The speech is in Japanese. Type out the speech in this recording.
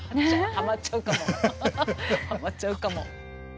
はまっちゃうかも。